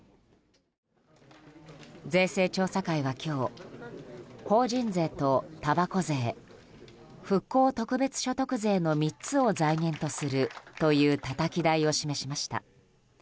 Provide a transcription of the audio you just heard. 税制調査会は今日法人税と、たばこ税復興特別所得税の３つを財源とするというたたき台を示しました。